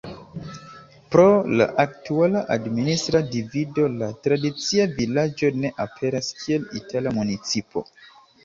Pro la aktuala administra divido la tradicia vilaĝo ne aperas kiel itala municipo.